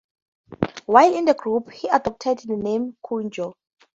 While in the group, he adopted the name "Cujo".